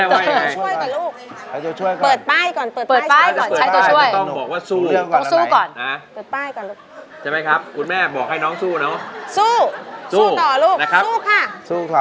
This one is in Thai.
เอ๊ะเดี๋ยวสิค่ะ